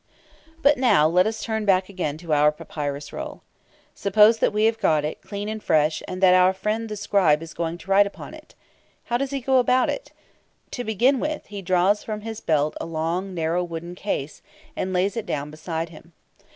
But now let us turn back again to our papyrus roll. Suppose that we have got it, clean and fresh, and that our friend the scribe is going to write upon it. How does he go about it? To begin with, he draws from his belt a long, narrow wooden case, and lays it down beside him.